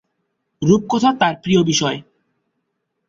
রূপকথা তার প্রিয় বিষয়।